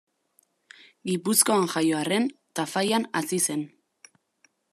Gipuzkoan jaio arren Tafallan hazi zen.